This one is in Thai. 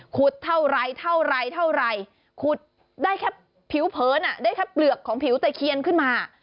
เท่าไรเท่าไรเท่าไรขุดได้แค่ผิวเผินได้แค่เปลือกของผิวตะเคียนขึ้นมา